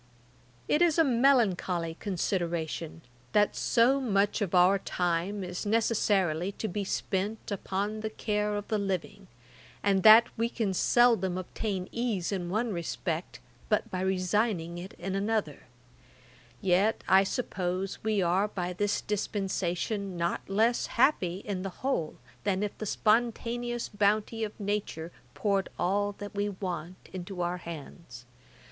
'It is a melancholy consideration, that so much of our time is necessarily to be spent upon the care of living, and that we can seldom obtain ease in one respect but by resigning it in another; yet I suppose we are by this dispensation not less happy in the whole, than if the spontaneous bounty of Nature poured all that we want into our hands.